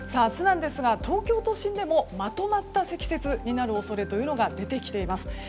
明日なんですが東京都心でもまとまった積雪になる恐れというのが出てきています。